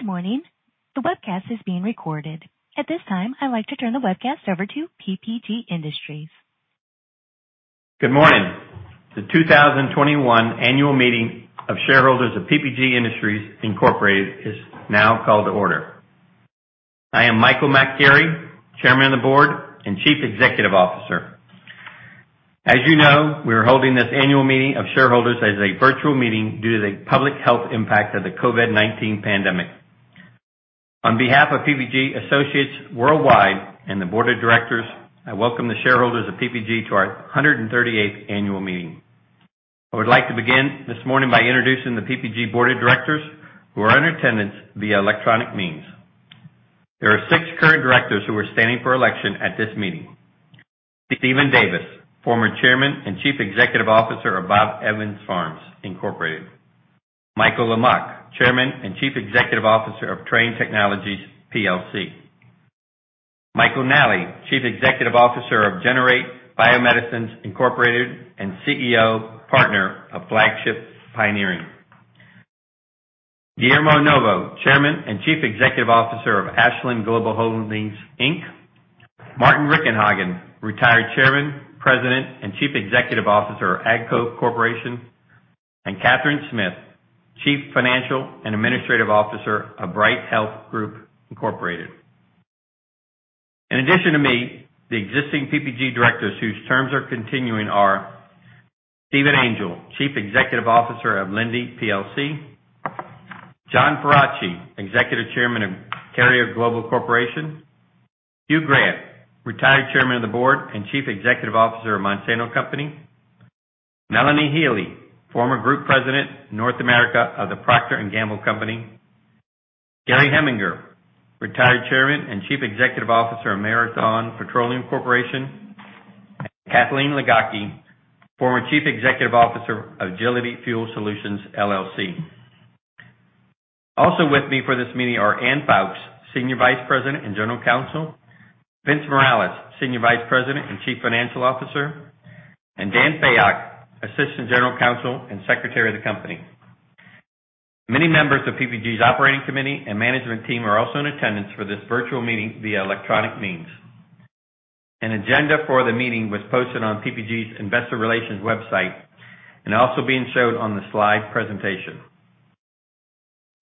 Good morning. The webcast is being recorded. At this time, I’d like to turn the webcast over to PPG Industries. Good morning. The 2021 annual meeting of shareholders of PPG Industries, Incorporated is now called to order. I am Michael H. McGarry, Chairman of the Board and Chief Executive Officer. As you know, we are holding this annual meeting of shareholders as a virtual meeting due to the public health impact of the COVID-19 pandemic. On behalf of PPG Associates worldwide and the board of directors, I welcome the shareholders of PPG to our 138th annual meeting. I would like to begin this morning by introducing the PPG board of directors who are in attendance via electronic means. There are six current directors who are standing for election at this meeting. Steven Davis, former Chairman and Chief Executive Officer of Bob Evans Farms, Incorporated. Michael Lamach, Chairman and Chief Executive Officer of Trane Technologies PLC. Michael Nally, Chief Executive Officer of Generate BioMedicines, Incorporated, and Chief Executive Officer partner of Flagship Pioneering. Guillermo Novo, Chairman and Chief Executive Officer of Ashland Global Holdings, Inc. Martin Richenhagen, retired Chairman, President, and Chief Executive Officer of AGCO Corporation. Catherine Smith, Chief Financial and Administrative Officer of Bright Health Group, Incorporated. In addition to me, the existing PPG directors whose terms are continuing are Steven Angel, Chief Executive Officer of Linde plc. John Faraci, Executive Chairman of Carrier Global Corporation. Hugh Grant, retired Chairman of the Board and Chief Executive Officer of Monsanto Company. Melanie Healey, former Group President, North America of The Procter & Gamble Company. Gary Heminger, retired Chairman and Chief Executive Officer of Marathon Petroleum Corporation. Kathleen Ligocki, former Chief Executive Officer of Agility Fuel Solutions, LLC. Also with me for this meeting are Anne Foulkes, Senior Vice President and General Counsel. Vince Morales, Senior Vice President and Chief Financial Officer, and Dan Fayock, Assistant General Counsel and Secretary of the company. Many members of PPG's operating committee and management team are also in attendance for this virtual meeting via electronic means. An agenda for the meeting was posted on PPG's investor relations website and also being showed on the slide presentation.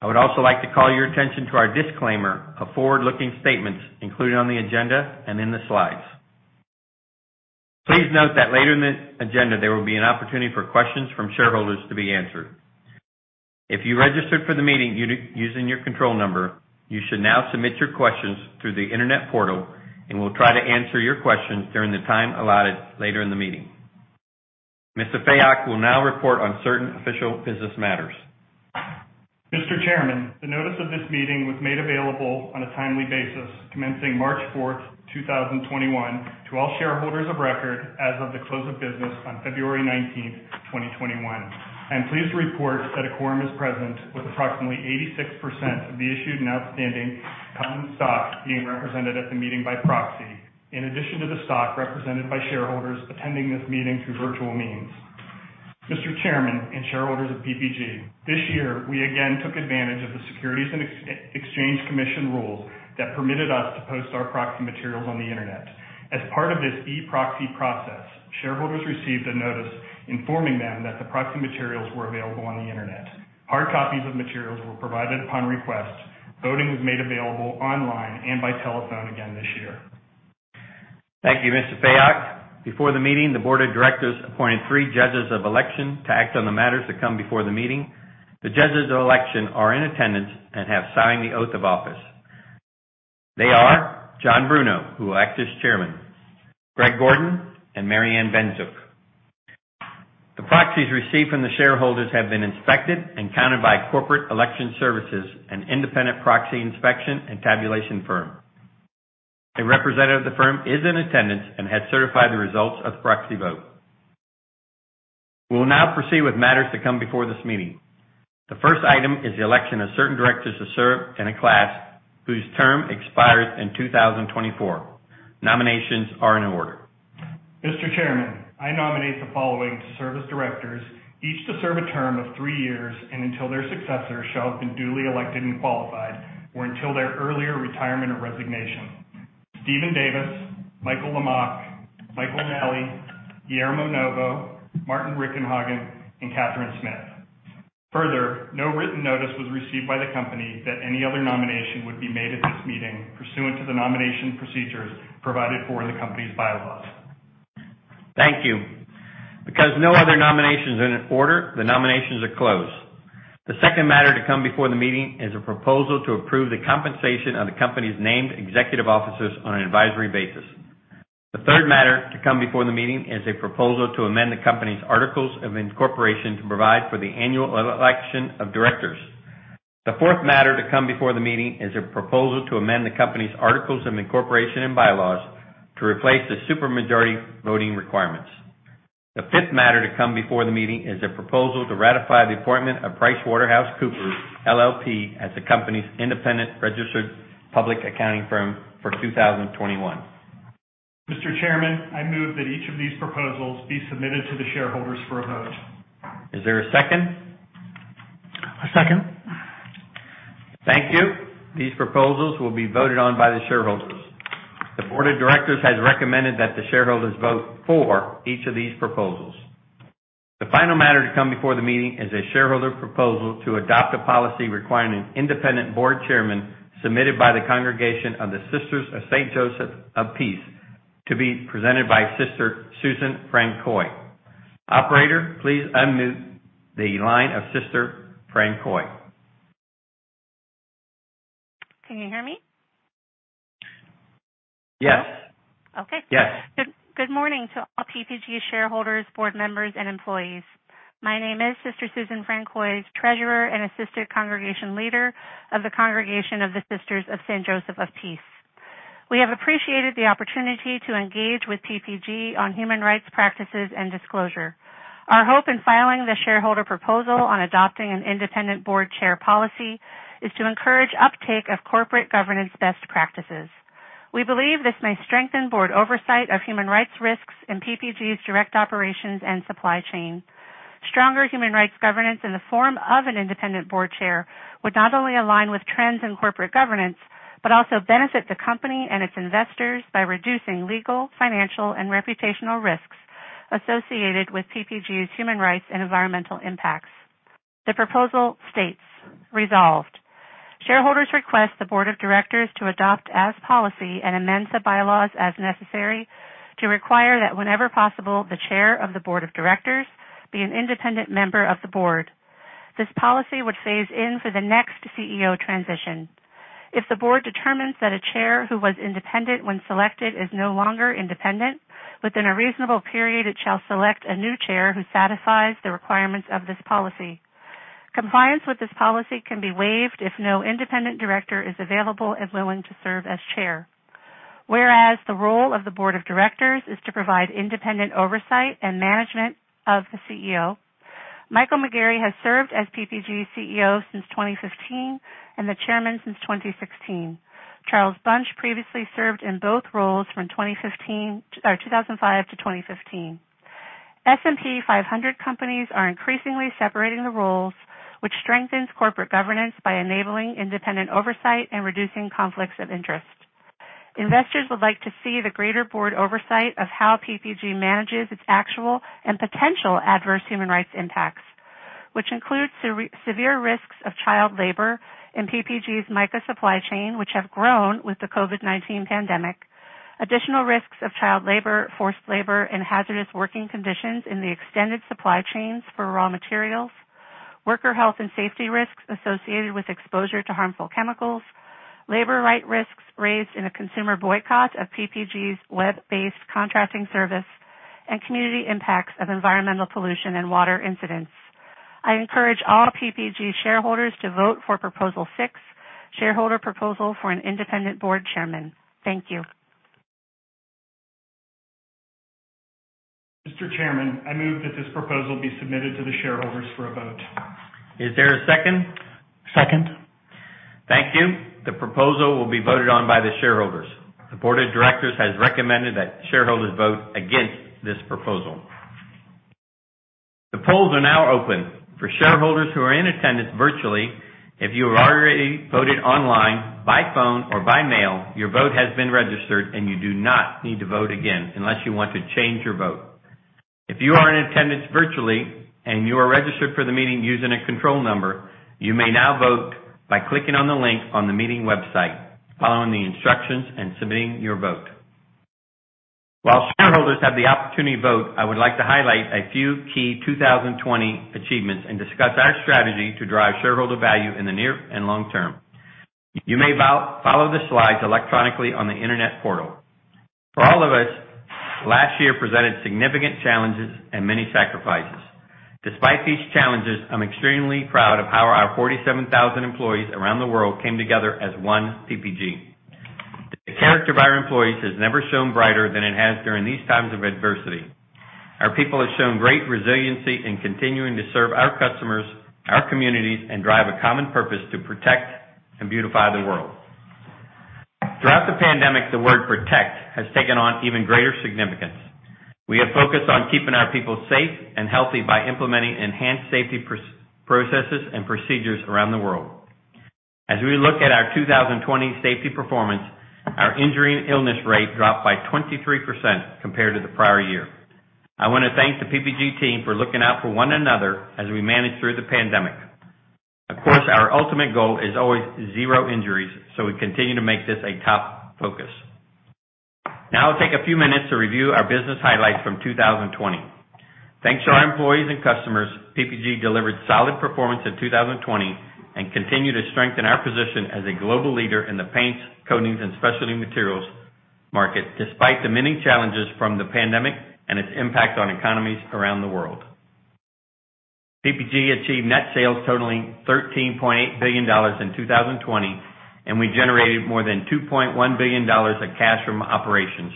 I would also like to call your attention to our disclaimer of forward-looking statements included on the agenda and in the slides. Please note that later in the agenda, there will be an opportunity for questions from shareholders to be answered. If you registered for the meeting using your control number, you should now submit your questions through the internet portal, and we'll try to answer your question during the time allotted later in the meeting. Mr. Fayock will now report on certain official business matters. Mr. Chairman, the notice of this meeting was made available on a timely basis, commencing March 4th, 2021, to all shareholders of record as of the close of business on February 19th, 2021. I'm pleased to report that a quorum is present with approximately 86% of the issued and outstanding common stock being represented at the meeting by proxy, in addition to the stock represented by shareholders attending this meeting through virtual means. Mr. Chairman and shareholders of PPG, this year, we again took advantage of the Securities and Exchange Commission rule that permitted us to post our proxy materials on the internet. As part of this e-proxy process, shareholders received a notice informing them that the proxy materials were available on the internet. Hard copies of materials were provided upon request. Voting was made available online and by telephone again this year. Thank you, Mr. Fayock. Before the meeting, the board of directors appointed three judges of election to act on the matters to come before the meeting. The judges of election are in attendance and have signed the oath of office. They are John Bruno, who will act as Chairman, Greg Gordon, and Maryanne Benzuke. The proxies received from the shareholders have been inspected and counted by Corporate Election Services, an independent proxy inspection and tabulation firm. A representative of the firm is in attendance and has certified the results of the proxy vote. We will now proceed with matters to come before this meeting. The first item is the election of certain directors to serve in a class whose term expires in 2024. Nominations are in order. Mr. Chairman, I nominate the following to serve as directors, each to serve a term of three years and until their successors shall have been duly elected and qualified, or until their earlier retirement or resignation. Steven Davis, Michael Lamach, Michael Nally, Guillermo Novo, Martin Richenhagen, and Catherine Smith. Further, no written notice was received by the company that any other nomination would be made at this meeting pursuant to the nomination procedures provided for in the company's bylaws. Thank you. Because no other nominations are in order, the nominations are closed. The second matter to come before the meeting is a proposal to approve the compensation of the company's named executive officers on an advisory basis. The third matter to come before the meeting is a proposal to amend the company's articles of incorporation to provide for the annual election of directors. The fourth matter to come before the meeting is a proposal to amend the company's articles of incorporation and bylaws to replace the supermajority voting requirements. The fifth matter to come before the meeting is a proposal to ratify the appointment of PricewaterhouseCoopers, LLP as the company's independent registered public accounting firm for 2021. Mr. Chairman, I move that each of these proposals be submitted to the shareholders for a vote. Is there a second? I second. Thank you. These proposals will be voted on by the shareholders. The board of directors has recommended that the shareholders vote for each of these proposals. The final matter to come before the meeting is a shareholder proposal to adopt a policy requiring an independent board chairman submitted by the Congregation of the Sisters of St. Joseph of Peace to be presented by Sister Susan Francois. Operator, please unmute the line of Sister Francois. Can you hear me? Yes. Okay. Yes. Good morning to all PPG shareholders, board members, and employees. My name is Sister Susan Francois, Treasurer and Assistant Congregation Leader of the Congregation of the Sisters of St. Joseph of Peace. We have appreciated the opportunity to engage with PPG on human rights practices and disclosure. Our hope in filing the shareholder proposal on adopting an independent board chair policy is to encourage uptake of corporate governance best practices. We believe this may strengthen board oversight of human rights risks in PPG's direct operations and supply chain. Stronger human rights governance in the form of an independent board chair would not only align with trends in corporate governance but also benefit the company and its investors by reducing legal, financial, and reputational risks associated with PPG's human rights and environmental impacts. The proposal states, resolved, shareholders request the board of directors to adopt as policy and amend the bylaws as necessary to require that whenever possible, the chair of the board of directors be an independent member of the board. This policy would phase in for the next Chief Executive Officer transition. If the board determines that a chair who was independent when selected is no longer independent, within a reasonable period, it shall select a new chair who satisfies the requirements of this policy. Compliance with this policy can be waived if no independent director is available and willing to serve as Chair. Whereas the role of the board of directors is to provide independent oversight and management of the Chief Executive Officer, Michael McGarry has served as PPG's Chief Executive Officer since 2015 and the Chairman since 2016. Charles Bunch previously served in both roles from 2005 to 2015. S&P 500 companies are increasingly separating the roles, which strengthens corporate governance by enabling independent oversight and reducing conflicts of interest. Investors would like to see the greater board oversight of how PPG manages its actual and potential adverse human rights impacts, which includes severe risks of child labor in PPG's mica supply chain, which have grown with the COVID-19 pandemic. Additional risks of child labor, forced labor, and hazardous working conditions in the extended supply chains for raw materials, worker health and safety risks associated with exposure to harmful chemicals, labor right risks raised in a consumer boycott of PPG's web-based contracting service, and community impacts of environmental pollution and water incidents. I encourage all PPG shareholders to vote for Proposal Six, shareholder proposal for an independent board chairman. Thank you. Mr. Chairman, I move that this proposal be submitted to the shareholders for a vote. Is there a second? Second. Thank you. The proposal will be voted on by the shareholders. The board of directors has recommended that shareholders vote against this proposal. The polls are now open. For shareholders who are in attendance virtually, if you have already voted online, by phone, or by mail, your vote has been registered and you do not need to vote again unless you want to change your vote. If you are in attendance virtually and you are registered for the meeting using a control number, you may now vote by clicking on the link on the meeting website, following the instructions, and submitting your vote. While shareholders have the opportunity to vote, I would like to highlight a few key 2020 achievements and discuss our strategy to drive shareholder value in the near and long term. You may follow the slides electronically on the internet portal. For all of us, last year presented significant challenges and many sacrifices. Despite these challenges, I'm extremely proud of how our 47,000 employees around the world came together as one PPG. The character of our employees has never shone brighter than it has during these times of adversity. Our people have shown great resiliency in continuing to serve our customers, our communities, and drive a common purpose to protect and beautify the world. Throughout the pandemic, the word protect has taken on even greater significance. We have focused on keeping our people safe and healthy by implementing enhanced safety processes and procedures around the world. As we look at our 2020 safety performance, our injury and illness rate dropped by 23% compared to the prior year. I want to thank the PPG team for looking out for one another as we managed through the pandemic. Of course, our ultimate goal is always zero injuries, so we continue to make this a top focus. I'll take a few minutes to review our business highlights from 2020. Thanks to our employees and customers, PPG delivered solid performance in 2020 and continued to strengthen our position as a global leader in the paints, coatings, and specialty materials market, despite the many challenges from the pandemic and its impact on economies around the world. PPG achieved net sales totaling $13.8 billion in 2020, and we generated more than $2.1 billion of cash from operations,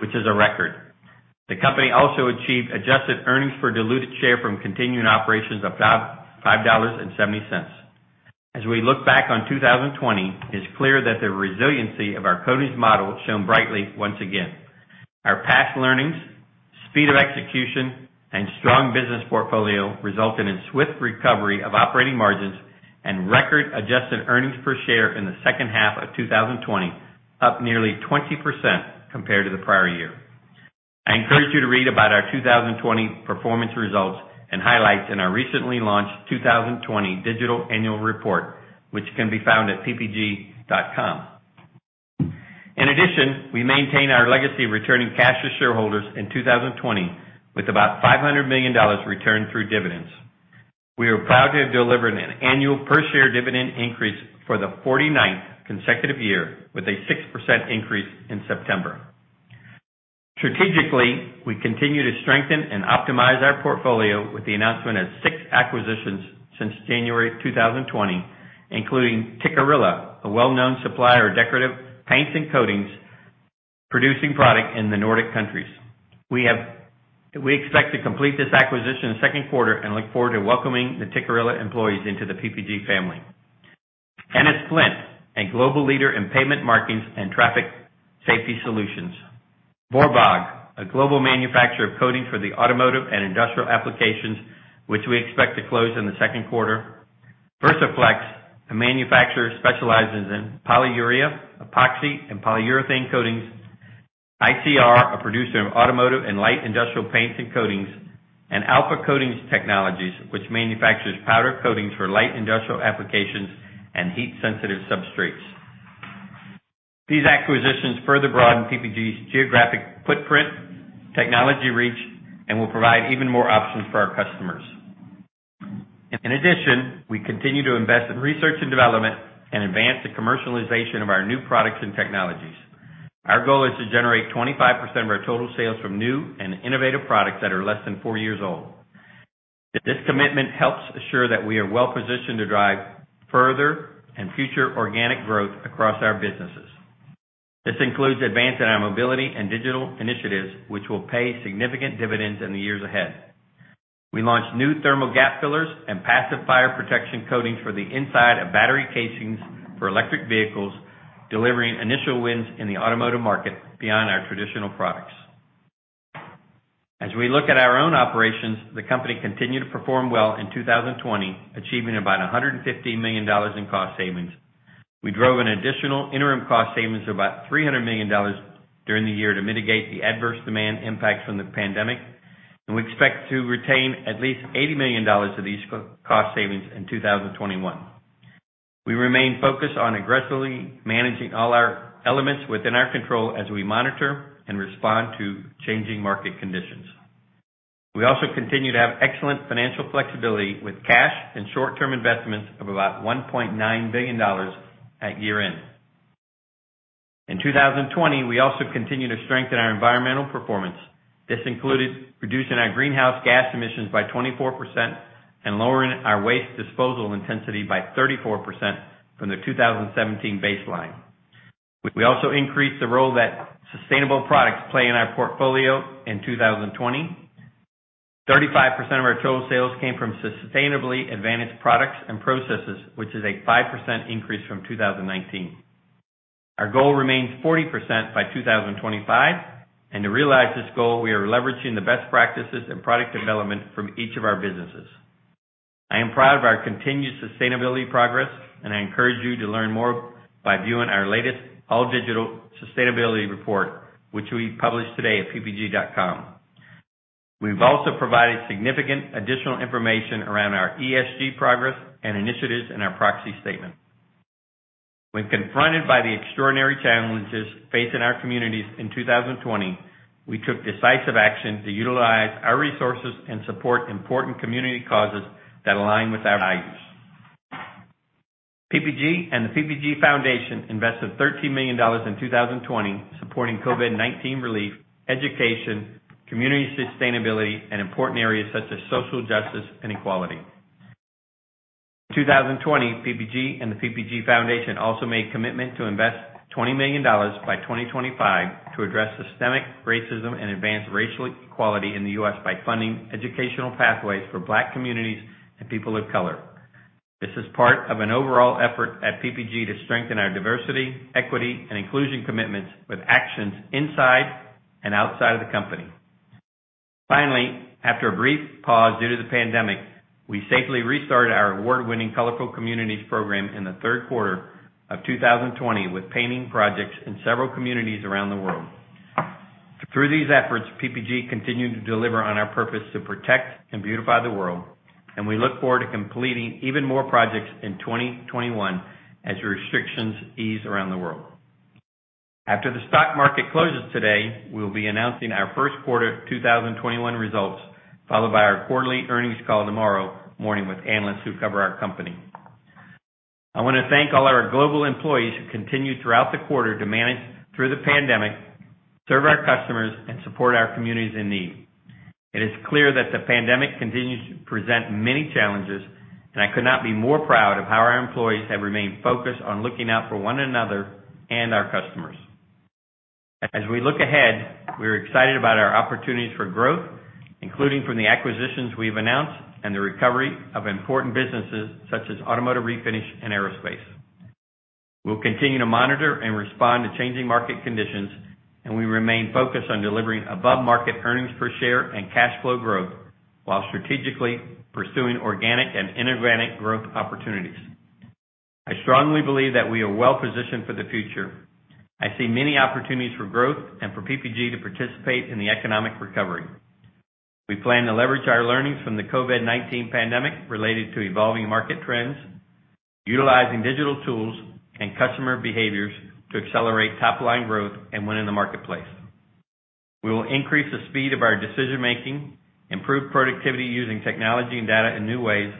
which is a record. The company also achieved adjusted earnings per diluted share from continuing operations of $5.70. We look back on 2020, it's clear that the resiliency of our coatings model shone brightly once again. Our past learnings, speed of execution, and strong business portfolio resulted in swift recovery of operating margins and record adjusted earnings per share in the second half of 2020, up nearly 20% compared to the prior year. I encourage you to read about our 2020 performance results and highlights in our recently launched 2020 digital annual report, which can be found at ppg.com. In addition, we maintain our legacy of returning cash to shareholders in 2020, with about $500 million returned through dividends. We are proud to have delivered an annual per-share dividend increase for the 49th consecutive year, with a 6% increase in September. Strategically, we continue to strengthen and optimize our portfolio with the announcement of six acquisitions since January 2020, including Tikkurila, a well-known supplier of decorative paints and coatings, producing product in the Nordic countries. We expect to complete this acquisition in the second quarter and look forward to welcoming the Tikkurila employees into the PPG family. Ennis-Flint, a global leader in pavement markings and traffic safety solutions. Wörwag, a global manufacturer of coatings for the automotive and industrial applications, which we expect to close in the second quarter. VersaFlex, a manufacturer that specializes in polyurea, epoxy, and polyurethane coatings. ICR, a producer of automotive and light industrial paints and coatings. Alpha Coating Technologies, which manufactures powder coatings for light industrial applications and heat-sensitive substrates. These acquisitions further broaden PPG's geographic footprint, technology reach, and will provide even more options for our customers. In addition, we continue to invest in research and development and advance the commercialization of our new products and technologies. Our goal is to generate 25% of our total sales from new and innovative products that are less than four years old. This commitment helps assure that we are well-positioned to drive further and future organic growth across our businesses. This includes advancing our mobility and digital initiatives, which will pay significant dividends in the years ahead. We launched new thermal gap fillers and passive fire protection coatings for the inside of battery casings for electric vehicles, delivering initial wins in the automotive market beyond our traditional products. As we look at our own operations, the company continued to perform well in 2020, achieving about $150 million in cost savings. We drove an additional interim cost savings of about $300 million during the year to mitigate the adverse demand impacts from the pandemic, and we expect to retain at least $80 million of these cost savings in 2021. We remain focused on aggressively managing all our elements within our control as we monitor and respond to changing market conditions. We also continue to have excellent financial flexibility with cash and short-term investments of about $1.9 billion at year-end. In 2020, we also continued to strengthen our environmental performance. This included reducing our greenhouse gas emissions by 24% and lowering our waste disposal intensity by 34% from the 2017 baseline. We also increased the role that sustainable products play in our portfolio in 2020. 35% of our total sales came from sustainably advantaged products and processes, which is a 5% increase from 2019. Our goal remains 40% by 2025. To realize this goal, we are leveraging the best practices and product development from each of our businesses. I am proud of our continued sustainability progress, and I encourage you to learn more by viewing our latest all-digital sustainability report, which we published today at ppg.com. We've also provided significant additional information around our ESG progress and initiatives in our proxy statement. When confronted by the extraordinary challenges facing our communities in 2020, we took decisive action to utilize our resources and support important community causes that align with our values. PPG and the PPG Foundation invested $13 million in 2020 supporting COVID-19 relief, education, community sustainability, and important areas such as social justice and equality. In 2020, PPG and the PPG Foundation also made a commitment to invest $20 million by 2025 to address systemic racism and advance racial equality in the U.S. by funding educational pathways for Black communities and people of color. This is part of an overall effort at PPG to strengthen our diversity, equity, and inclusion commitments with actions inside and outside of the company. Finally, after a brief pause due to the pandemic, we safely restarted our award-winning Colorful Communities program in the third quarter of 2020, with painting projects in several communities around the world. Through these efforts, PPG continued to deliver on our purpose to protect and beautify the world, and we look forward to completing even more projects in 2021 as restrictions ease around the world. After the stock market closes today, we will be announcing our first quarter 2021 results, followed by our quarterly earnings call tomorrow morning with analysts who cover our company. I want to thank all our global employees who continued throughout the quarter to manage through the pandemic, serve our customers, and support our communities in need. It is clear that the pandemic continues to present many challenges, and I could not be more proud of how our employees have remained focused on looking out for one another and our customers. As we look ahead, we're excited about our opportunities for growth, including from the acquisitions we've announced and the recovery of important businesses such as automotive refinish and aerospace. We'll continue to monitor and respond to changing market conditions, and we remain focused on delivering above-market earnings per share and cash flow growth, while strategically pursuing organic and inorganic growth opportunities. I strongly believe that we are well-positioned for the future. I see many opportunities for growth and for PPG to participate in the economic recovery. We plan to leverage our learnings from the COVID-19 pandemic related to evolving market trends, utilizing digital tools and customer behaviors to accelerate top-line growth and win in the marketplace. We will increase the speed of our decision-making, improve productivity using technology and data in new ways,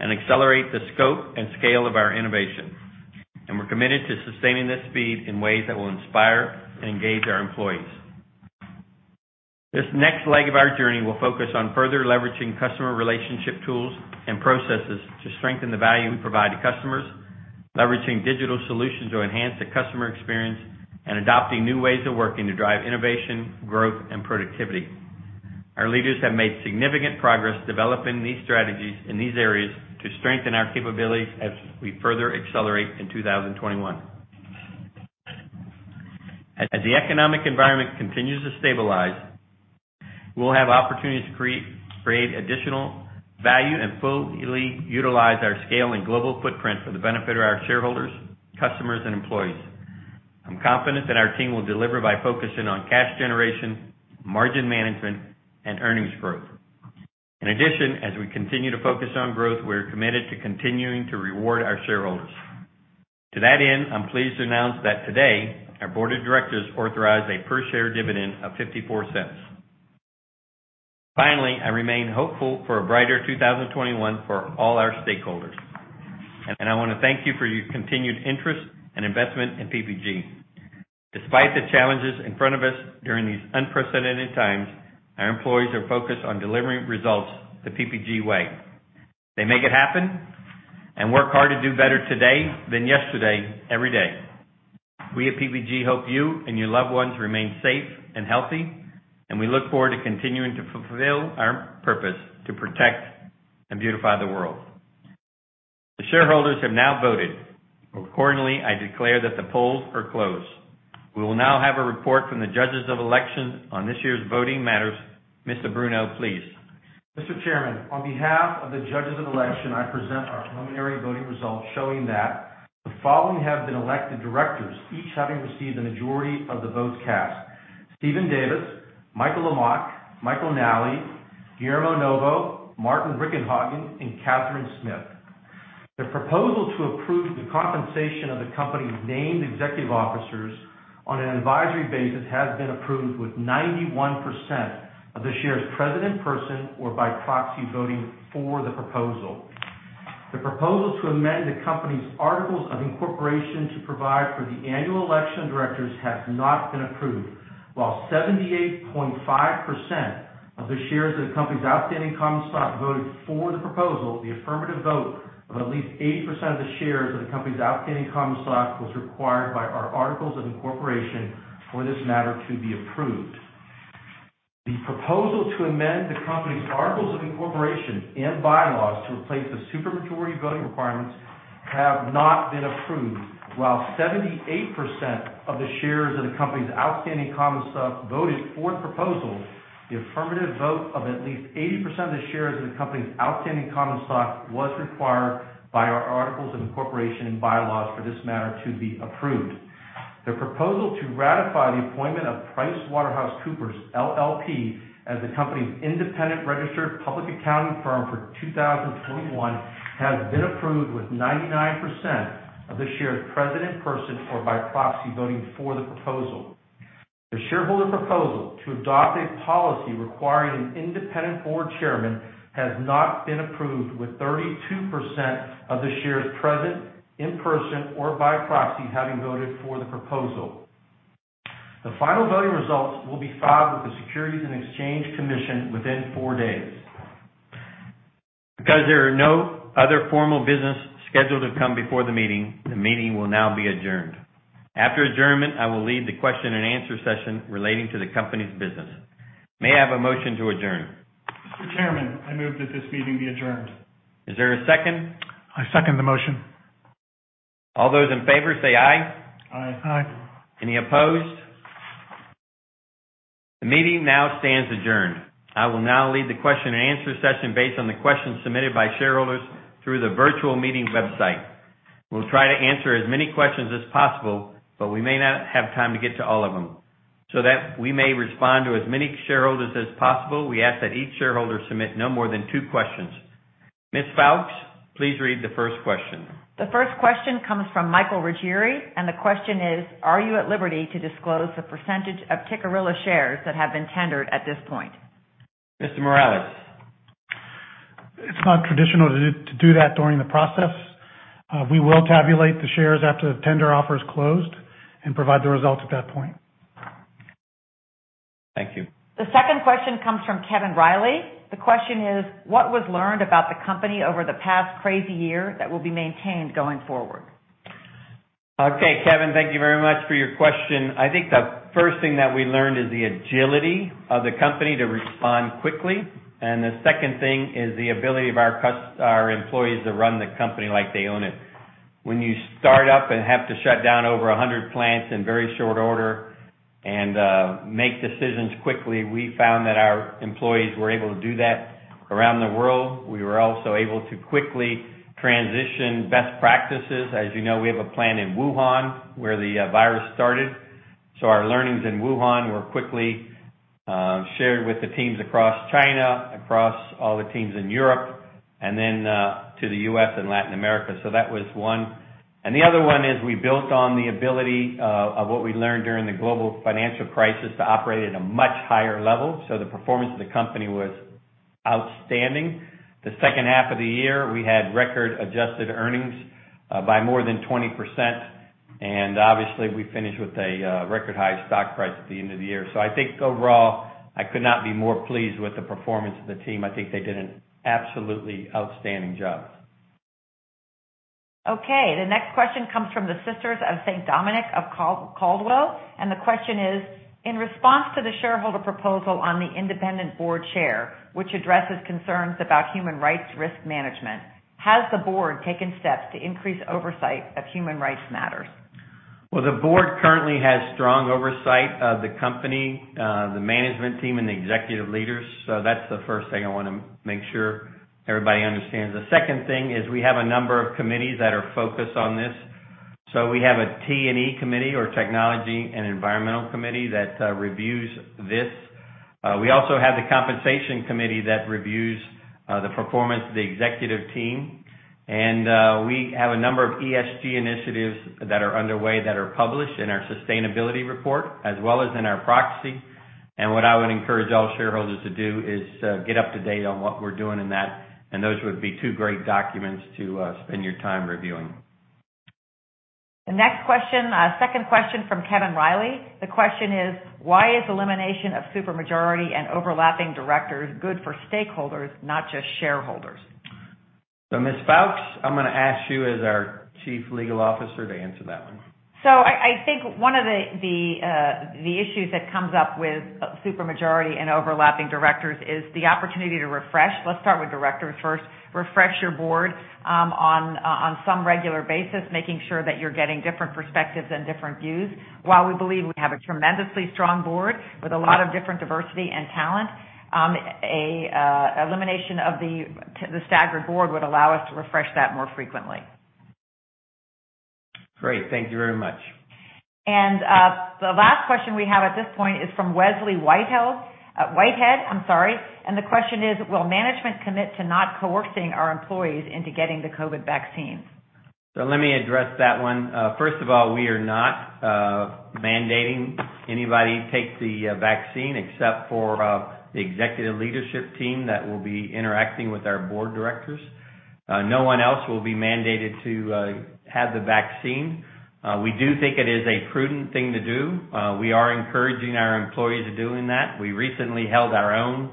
and accelerate the scope and scale of our innovation. We're committed to sustaining this speed in ways that will inspire and engage our employees. This next leg of our journey will focus on further leveraging customer relationship tools and processes to strengthen the value we provide to customers, leveraging digital solutions to enhance the customer experience, and adopting new ways of working to drive innovation, growth, and productivity. Our leaders have made significant progress developing these strategies in these areas to strengthen our capabilities as we further accelerate in 2021. As the economic environment continues to stabilize, we'll have opportunities to create additional value and fully utilize our scale and global footprint for the benefit of our shareholders, customers, and employees. I'm confident that our team will deliver by focusing on cash generation, margin management, and earnings growth. In addition, as we continue to focus on growth, we're committed to continuing to reward our shareholders. To that end, I'm pleased to announce that today, our board of directors authorized a per-share dividend of $0.54. Finally, I remain hopeful for a brighter 2021 for all our stakeholders. I want to thank you for your continued interest and investment in PPG. Despite the challenges in front of us during these unprecedented times, our employees are focused on delivering results the PPG way. They make it happen and work hard to do better today than yesterday, every day. We at PPG hope you and your loved ones remain safe and healthy, and we look forward to continuing to fulfill our purpose to protect and beautify the world. The shareholders have now voted. Accordingly, I declare that the polls are closed. We will now have a report from the judges of election on this year's voting matters. Mr. Bruno, please. Mr. Chairman, on behalf of the judges of election, I present our preliminary voting results showing that the following have been elected directors, each having received a majority of the votes cast: Steven Davis, Michael Lamach, Michael Nally, Guillermo Novo, Martin Richenhagen, and Catherine Smith. The proposal to approve the compensation of the company's named executive officers on an advisory basis has been approved with 91% of the shares present in person or by proxy voting for the proposal. The proposal to amend the company's articles of incorporation to provide for the annual election of directors has not been approved. While 78.5% of the shares of the company's outstanding common stock voted for the proposal, the affirmative vote of at least 80% of the shares of the company's outstanding common stock was required by our articles of incorporation for this matter to be approved. The proposal to amend the company's articles of incorporation and bylaws to replace the supermajority voting requirements have not been approved. While 78% of the shares of the company's outstanding common stock voted for the proposal, the affirmative vote of at least 80% of the shares of the company's outstanding common stock was required by our articles of incorporation and bylaws for this matter to be approved. The proposal to ratify the appointment of PricewaterhouseCoopers, LLP as the company's independent registered public accounting firm for 2021 has been approved with 99% of the shares present in person or by proxy voting for the proposal. The shareholder proposal to adopt a policy requiring an independent board chairman has not been approved with 32% of the shares present in person or by proxy having voted for the proposal. The final voting results will be filed with the Securities and Exchange Commission within four days. Because there are no other formal business scheduled to come before the meeting, the meeting will now be adjourned. After adjournment, I will lead the question and answer session relating to the company's business. May I have a motion to adjourn? Mr. Chairman, I move that this meeting be adjourned. Is there a second? I second the motion. All those in favor say aye. Aye. Aye. Any opposed? The meeting now stands adjourned. I will now lead the question and answer session based on the questions submitted by shareholders through the virtual meeting website. We will try to answer as many questions as possible, but we may not have time to get to all of them. That we may respond to as many shareholders as possible, we ask that each shareholder submit no more than two questions. Ms. Foulkes, please read the first question. The first question comes from Michael Ruggieri. The question is, "Are you at liberty to disclose the percent of Tikkurila shares that have been tendered at this point? Mr. Morales. It's not traditional to do that during the process. We will tabulate the shares after the tender offer is closed and provide the results at that point. Thank you. The second question comes from Kevin Riley. The question is: What was learned about the company over the past crazy year that will be maintained going forward? Okay, Kevin, thank you very much for your question. I think the first thing that we learned is the agility of the company to respond quickly, and the second thing is the ability of our employees to run the company like they own it. When you start up and have to shut down over 100 plants in very short order and make decisions quickly, we found that our employees were able to do that around the world. We were also able to quickly transition best practices. As you know, we have a plant in Wuhan, where the virus started. Our learnings in Wuhan were quickly shared with the teams across China, across all the teams in Europe, and then to the U.S. and Latin America. That was one. The other one is we built on the ability of what we learned during the global financial crisis to operate at a much higher level. The performance of the company was outstanding. The second half of the year, we had record-adjusted earnings by more than 20%, and obviously, we finished with a record-high stock price at the end of the year. I think overall, I could not be more pleased with the performance of the team. I think they did an absolutely outstanding job. Okay. The next question comes from the Sisters of St. Dominic of Caldwell. The question is: In response to the shareholder proposal on the independent board chair, which addresses concerns about human rights risk management, has the board taken steps to increase oversight of human rights matters? The board currently has strong oversight of the company, the management team, and the executive leaders. That's the first thing I want to make sure everybody understands. The second thing is we have a number of committees that are focused on this. We have a T&E Committee, or Technology and Environmental Committee, that reviews this. We also have the Compensation Committee that reviews the performance of the executive team. We have a number of ESG initiatives that are underway that are published in our sustainability report as well as in our proxy. What I would encourage all shareholders to do is get up to date on what we're doing in that, and those would be two great documents to spend your time reviewing. The next question, second question from Kevin Riley. The question is: Why is elimination of super majority and overlapping directors good for stakeholders, not just shareholders? Ms. Foulkes, I'm going to ask you as our Chief Legal Officer to answer that one. I think one of the issues that comes up with super majority and overlapping directors is the opportunity to refresh. Let's start with directors first. Refresh your board on some regular basis, making sure that you're getting different perspectives and different views. While we believe we have a tremendously strong board with a lot of different diversity and talent, an elimination of the staggered board would allow us to refresh that more frequently. Great. Thank you very much. The last question we have at this point is from Wesley Whitehead. The question is: Will management commit to not coercing our employees into getting the COVID vaccines? Let me address that one. First of all, we are not mandating anybody take the vaccine except for the executive leadership team that will be interacting with our Board of Directors. No one else will be mandated to have the vaccine. We do think it is a prudent thing to do. We are encouraging our employees doing that. We recently held our own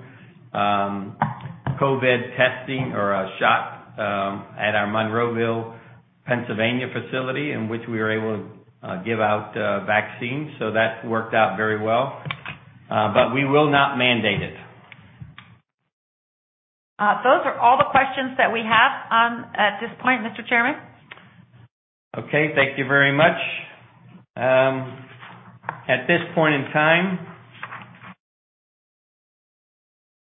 COVID testing or a shot at our Monroeville, Pennsylvania facility, in which we were able to give out vaccines. That worked out very well. We will not mandate it. Those are all the questions that we have at this point, Mr. Chairman. Okay. Thank you very much. At this point in time,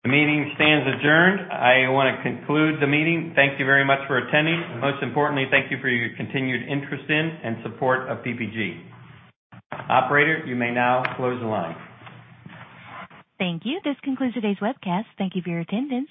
the meeting stands adjourned. I want to conclude the meeting. Thank you very much for attending, and most importantly, thank you for your continued interest in, and support of PPG. Operator, you may now close the line. Thank you. This concludes today's webcast. Thank you for your attendance.